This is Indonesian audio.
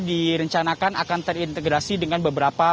direncanakan akan terintegrasi dengan beberapa